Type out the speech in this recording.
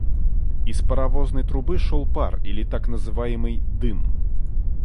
Из паровозной трубы шёл пар или, так называемый, дым.